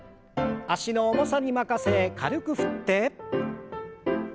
脚の重さに任せ軽く振って。